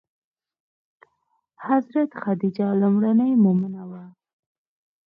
حضرت خدیجه لومړنۍ مومنه وه.